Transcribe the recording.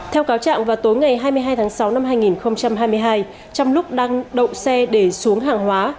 theo cáo trạng vào tối ngày hai mươi hai tháng sáu năm hai nghìn hai mươi hai trong lúc đang đậu xe để xuống hàng hóa